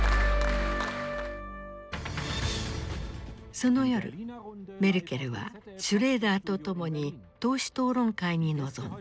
その夜メルケルはシュレーダーと共に党首討論会に臨んだ。